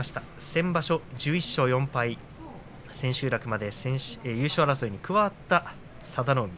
先場所、１１勝４敗千秋楽まで優勝争いに加わった佐田の海。